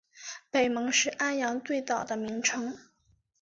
北蒙是安阳最早的名称。